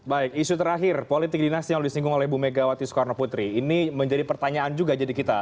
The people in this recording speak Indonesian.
baik isu terakhir politik dinasti yang disinggung oleh bu megawati soekarno putri ini menjadi pertanyaan juga jadi kita